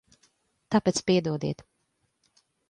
Tāpēc piedodiet.